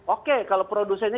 oke kalau produsennya